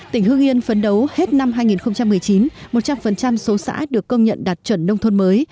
tỉnh hương yên phấn đấu hết năm hai nghìn một mươi chín một trăm linh số xã được công nhận đạt chuẩn nông thôn mới